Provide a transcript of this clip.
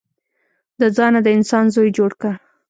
د ځانه د انسان زوی جوړ که.